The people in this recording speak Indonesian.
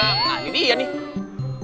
nah ini dia nih